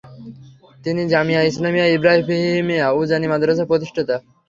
তিনি জামিয়া ইসলামিয়া ইব্রাহিমিয়া উজানি মাদ্রাসার প্রতিষ্ঠাতা।